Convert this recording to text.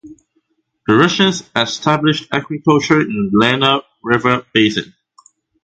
The Russians established agriculture in the Lena River basin.